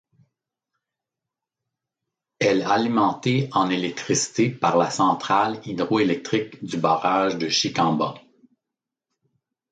Elle alimentée en électricité par la centrale hydroélectrique du barrage de Chicamba.